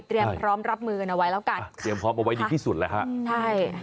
พร้อมรับมือกันเอาไว้แล้วกันเตรียมพร้อมเอาไว้ดีที่สุดแหละฮะใช่